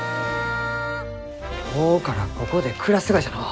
今日からここで暮らすがじゃのう。